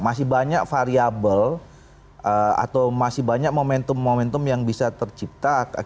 masih banyak variable atau masih banyak momentum momentum yang bisa tercipta